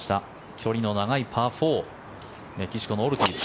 距離の長いパー４メキシコのオルティーズ。